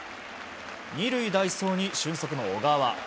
２塁代走に俊足の小川。